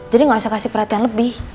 jadi gak usah kasih perhatian lebih